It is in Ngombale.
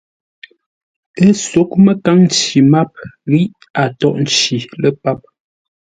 Ə́ sóghʼ məkâŋ nci máp ghíʼ a tóghʼ nci lə́ páp.